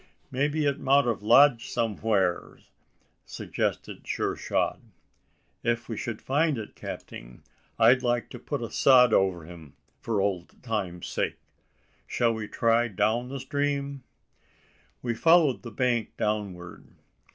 "Maybe it mout hev lodged somewheres?" suggested Sure shot. "Ef we shed find it, capting, I'd like to put a sod over him, for old times' sake. Shell we try down the stream?" We followed the bank downward.